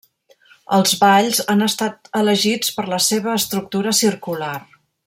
Els balls han estat elegits per la seva estructura circular.